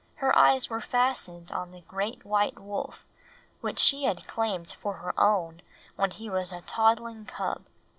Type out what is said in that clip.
Her eyes were fastened on the great white wolf which she had claimed for her own when he was a toddling cub.